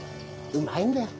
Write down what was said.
うまいんだよ